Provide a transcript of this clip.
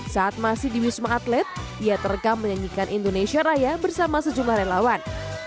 saat masih di wisma atlet ia terekam menyanyikan indonesia raya bersama sejumlah relawan